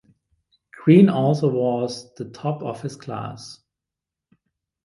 Green also was the top of his class.